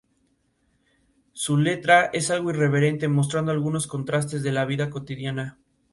Su letra es algo irreverente, mostrando algunos contrastes de la vida cotidiana.